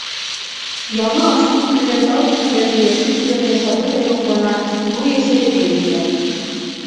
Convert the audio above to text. Яңы асылып килгән тау битендәге йәшел сиҙәмгә сабыйҙай һоҡлана, гүйә, сәпәкәй итә.